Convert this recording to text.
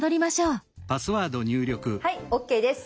はいＯＫです。